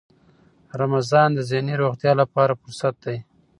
رمضان د ذهني روغتیا لپاره فرصت دی.